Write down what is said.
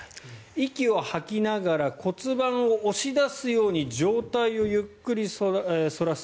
息を吐きながら骨盤を押し出すように上体をゆっくり反らす。